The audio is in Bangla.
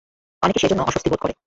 অনেকে সেজন্য অস্বস্তিবোধ করে।